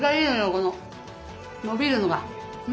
こののびるのが。